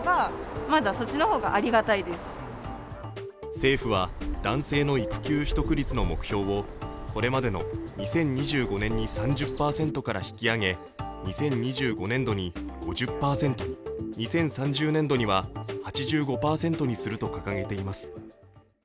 政府は男性の育休取得率の目標をこれまでの２０２５年に３０％から引き上げ２０２５年度に５０％、２０３０年度には８５％にすると掲げています。